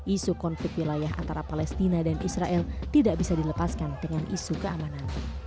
isu konflik wilayah antara palestina dan israel tidak bisa dilepaskan dengan isu keamanan